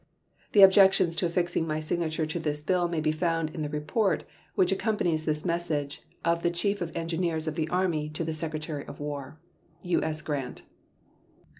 The objections to affixing my signature to this bill may be found in the report, which accompanies this message, of the Chief of Engineers of the Army to the Secretary of War. U.S. GRANT.